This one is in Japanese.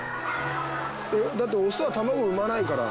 ええっだってオスは卵産まないから。